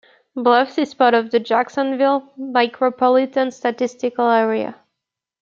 Bluffs is part of the Jacksonville Micropolitan Statistical Area.